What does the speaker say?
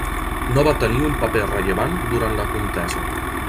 No va tenir un paper rellevant durant la contesa.